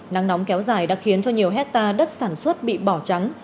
nắng nóng kéo dài đã khiến cho nhiều hectare đất sản xuất bị bỏ trắng